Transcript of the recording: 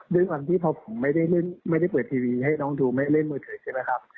ด้วยความที่พอผมไม่ได้เปิดทีวีให้น้องดูไม่เล่นมือถือใช่ไหมครับ